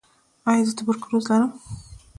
ایا زه تبرکلوز لرم؟